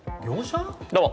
どうも。